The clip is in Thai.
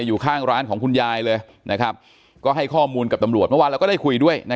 อยู่ข้างร้านของคุณยายเลยนะครับก็ให้ข้อมูลกับตำรวจเมื่อวานเราก็ได้คุยด้วยนะ